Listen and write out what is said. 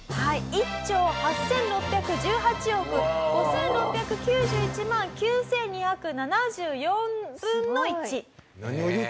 １兆８６１８億５６９１万９２７４分の１。